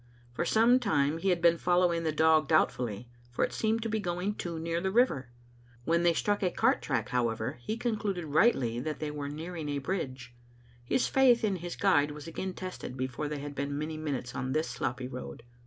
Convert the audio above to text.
For some time he had been following the dog doubt fully, for it seemed to be going too near the river. When they struck a cart track, however, he concluded rightly that they were nearing a bridge. His faith in his guide was again tested before they had been many minutes on this sloppy road.